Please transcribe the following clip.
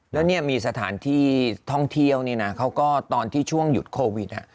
แล้วเนี่ยมีสถานที่ท่องเที่ยวนี่นะเขาก็ตอนที่ช่วงหยุดโควิด